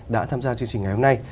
đã tham gia chương trình ngày hôm nay